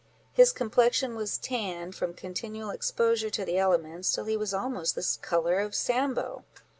His complexion was tanned, from continual exposure to the elements, till he was almost the colour of Sambo!